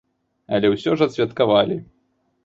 Але ўсё ж адсвяткавалі.